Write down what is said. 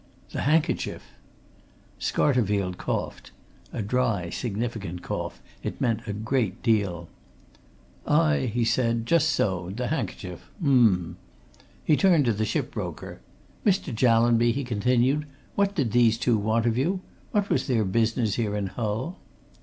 "The handkerchief!" Scarterfield coughed. A dry, significant cough it meant a great deal. "Aye!" he said. "Just so the handkerchief! Um!" He turned to the ship broker. "Mr. Jallanby," he continued, "what did these two want of you? What was their business here in Hull?"